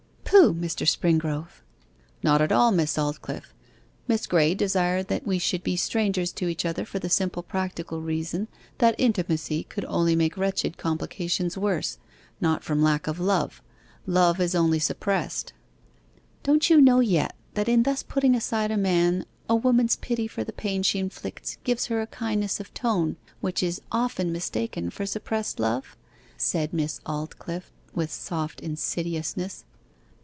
'Pooh, Mr. Springrove!' 'Not at all, Miss Aldclyffe! Miss Graye desired that we should be strangers to each other for the simple practical reason that intimacy could only make wretched complications worse, not from lack of love love is only suppressed.' 'Don't you know yet, that in thus putting aside a man, a woman's pity for the pain she inflicts gives her a kindness of tone which is often mistaken for suppressed love?' said Miss Aldclyffe, with soft insidiousness.